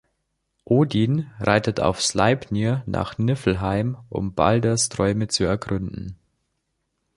Odin reitet auf Sleipnir nach Niflheim, um Balders Träume zu ergründen.